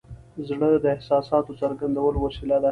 زړه د احساساتو د څرګندولو وسیله ده.